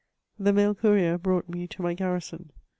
The mail courier brought me to my garrison.